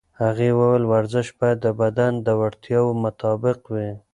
هغې وویل ورزش باید د بدن د وړتیاوو مطابق وي.